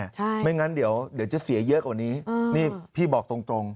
ใช่ไม่งั้นเดี๋ยวจะเสียเยอะกว่านี้พี่บอกตรง